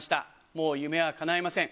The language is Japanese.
もう夢はかないません。